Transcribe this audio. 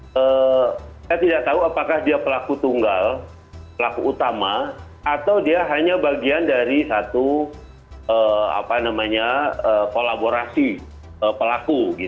saya tidak tahu apakah dia pelaku tunggal pelaku utama atau dia hanya bagian dari satu kolaborasi pelaku